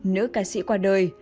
nữ ca sĩ qua đời